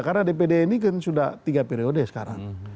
karena dpd ini kan sudah tiga periode sekarang